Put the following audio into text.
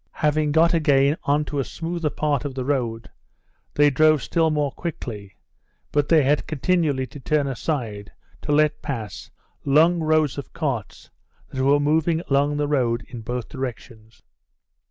Having got again on to a smoother part of the road, they drove still more quickly, but they had continually to turn aside to let pass long rows of carts that were moving along the road in both directions.